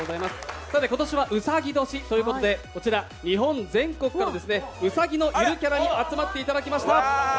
今年はうさぎ年ということで日本全国からうさぎのゆるキャラに集まっていただきました。